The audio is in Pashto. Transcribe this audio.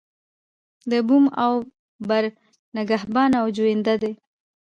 د بوم او بر نگهبان او جوینده دی.